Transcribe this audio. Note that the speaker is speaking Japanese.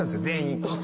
全員。